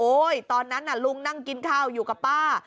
ตอนนั้นน่ะลุงนั่งกินข้าวอยู่กับป้า